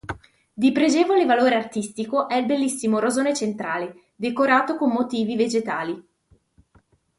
Di pregevole valore artistico è il bellissimo rosone centrale decorato con motivi vegetali.